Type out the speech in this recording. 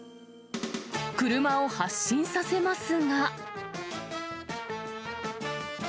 車を発進させますが。